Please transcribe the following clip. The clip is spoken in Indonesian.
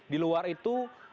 di luar itu